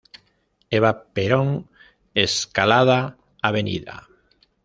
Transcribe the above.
Eva Perón, Escalada, Av.